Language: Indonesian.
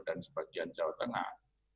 dan sebagian jawa tengah